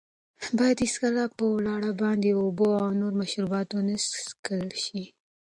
باید هېڅکله په ولاړه باندې اوبه او نور مشروبات ونه څښل شي.